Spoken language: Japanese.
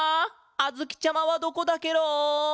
あづきちゃまはどこだケロ！